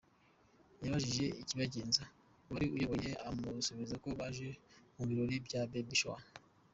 Yababajije ikibagenza, uwari uyoboye amusubiza ko baje mu birori bya ‘Baby shower’.